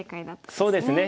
そうですね。